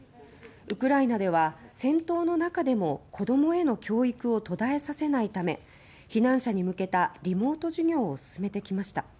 ウクライナでは戦闘の中でも子どもへの教育を途絶えさせないため避難者に向けたリモート授業を進めてきました。